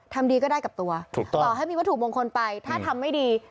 ดีก็ได้กับตัวต่อให้มีวัตถุมงคลไปถ้าทำไม่ดี